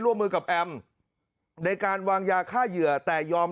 ก็คือวางแยะค่าเหยื่อแต่ก็ถือว่า